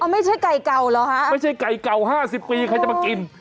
ไม่ใช่ไก่เก่าเหรอฮะไม่ใช่ไก่เก่า๕๐ปีใครจะมากิน